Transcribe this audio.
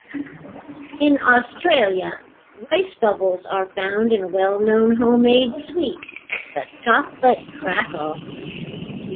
In Australia, Rice Bubbles are found in a well-known homemade sweet, the chocolate crackle.